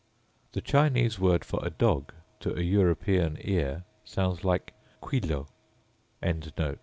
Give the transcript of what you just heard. The Chinese word for a dog to an European ear sounds like quihloh.